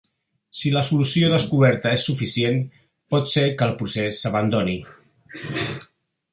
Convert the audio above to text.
Si la solució descoberta és suficient, pot ser que el procés s'abandoni.